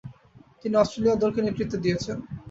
তিনি অস্ট্রেলিয়া দলকে নেতৃত্ব দিয়েছেন।